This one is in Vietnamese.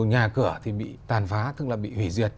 nhà cửa thì bị tàn phá tức là bị hủy diệt